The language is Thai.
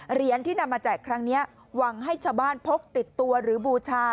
เหรียญที่นำมาแจกครั้งนี้หวังให้ชาวบ้านพกติดตัวหรือบูชา